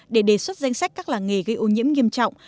để đề xuất danh sách các làng nghề gây ô nhiễm nghiêm trọng